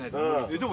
でも。